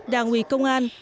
đảng uỷ công an